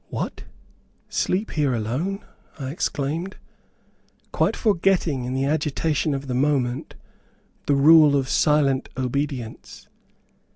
"What! sleep here alone?" I exclaimed, quite forgetting, in the agitation of the moment, the rule of silent obedience.